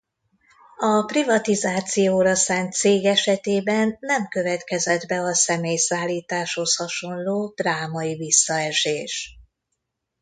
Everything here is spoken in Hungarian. A privatizációra szánt cég esetében nem következett be a személyszállításhoz hasonló drámai visszaesés.